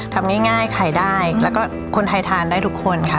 ทำง่ายขายได้แล้วก็คนไทยทานได้ทุกคนค่ะ